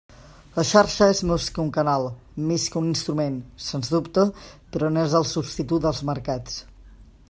La Xarxa és més que un canal, més que un instrument, sens dubte, però no és el substitut dels mercats.